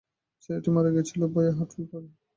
ছেলেটি মারা গিয়েছিল ভয়ে হার্টফেল করে।